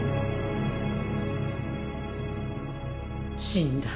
死んだ